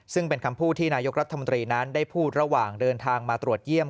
ซึ่งเป็นคำพูดที่นายกรัฐมนตรีนั้นได้พูดระหว่างเดินทางมาตรวจเยี่ยม